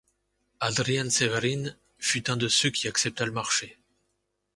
Adrian Severin fut un de ceux qui accepta le marché.